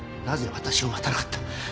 なぜ私を待たなかった？